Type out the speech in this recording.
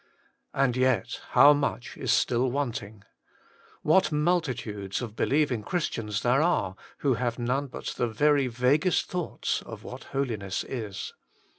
And yet how much is still wanting ! What multitudes of believing Christians there are who have none but the very vaguest thoughts of what holiness is